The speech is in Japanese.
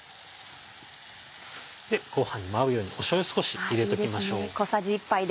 ご飯にも合うようにしょうゆ少し入れておきましょう。